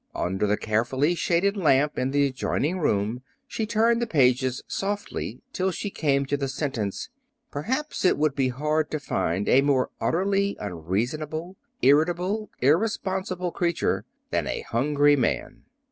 Under the carefully shaded lamp in the adjoining room she turned the pages softly till she came to the sentence: "Perhaps it would be hard to find a more utterly unreasonable, irritable, irresponsible creature than a hungry man."